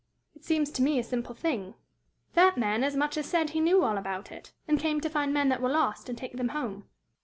"It seems to me a simple thing. That man as much as said he knew all about it, and came to find men that were lost, and take them home."